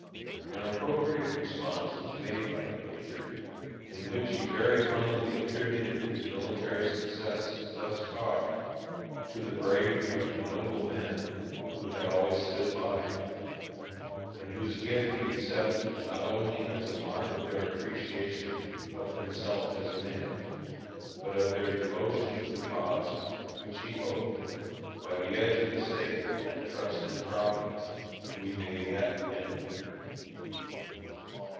An appropriate response was made by the major, in which he very humbly attributed his military success thus far to the bravery of the noble men who had always stood by him, and whose gift he accepted not only as a mark of their appreciation of himself as a man, but of their devotion to the cause which he hoped, by the edge of the sabre and trust in Providence, we may yet win.